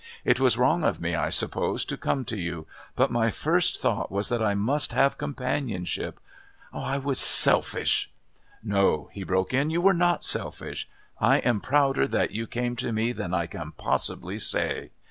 It was wrong of me, I suppose, to come to you, but my first thought was that I must have companionship. I was selfish " "No," he broke in, "you were not selfish. I am prouder that you came to me than I can possibly say.